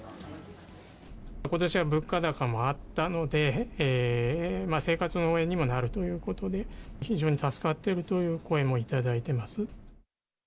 ことしは物価高もあったので、生活の応援にもなるということで、非常に助かっているという声も頂いています。